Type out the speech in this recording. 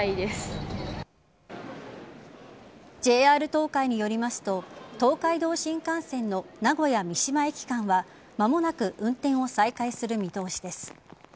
ＪＲ東海によりますと東海道新幹線の名古屋三島駅間は間もなく運転を再開する見通しです。